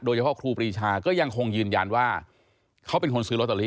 โดยเฉพาะครูปรีชาก็ยังคงยืนยันว่าเขาเป็นคนซื้อโรตตาลี